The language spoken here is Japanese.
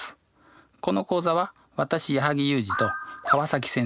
この講座は私矢作裕滋と川先生